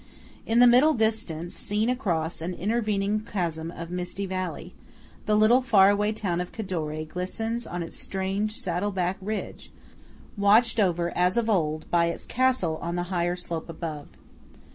In the middle distance, seen across an intervening chasm of misty valley, the little far away town of Cadore glistens on its strange saddle back ridge, watched over as of old by its castle on the higher slope above.